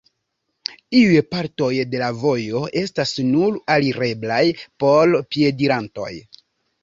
Iuj partoj de la vojo estas nur alireblaj por piedirantoj.